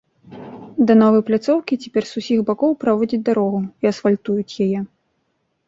Да новай пляцоўкі цяпер з усіх бакоў праводзяць дарогу і асфальтуюць яе.